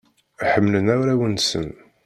Ḥemmlen arraw-nsen.